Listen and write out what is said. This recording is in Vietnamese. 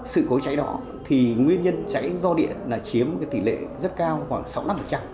sự cố cháy đó thì nguyên nhân cháy do điện là chiếm tỷ lệ rất cao khoảng sáu mươi năm